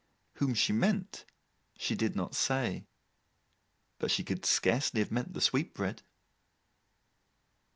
Whom she meant, she did not say; but she could scarcely have meant the sweetbread.